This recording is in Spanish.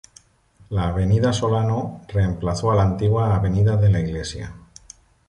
La Avenida Solano reemplazó a la antigua Avenida de la Iglesia.